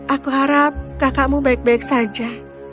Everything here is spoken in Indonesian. aku harap kakakmu baik baik saja